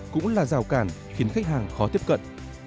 cũng là rào cản khiến khách hàng khó tiếp cận